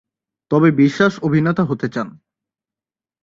তবে বিশ্বাস অভিনেতা হতে চান।